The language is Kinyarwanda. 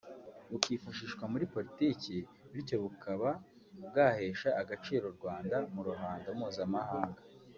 bukifashishwa muri Politiki bityo bukaba bwahesha agaciro u Rwanda mu ruhando mpuzamahanga